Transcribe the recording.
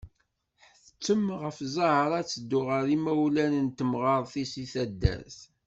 Tḥettem ɣef Zahra ad teddu ɣer yimawlan n temɣart-is di taddart.